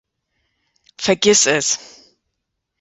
Vergiss es!